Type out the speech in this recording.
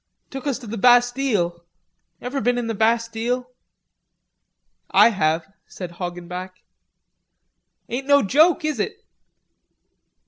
Took us to the Bastille. Ever been in the Bastille?" "I have," said Hoggenback. "Ain't no joke, is it?"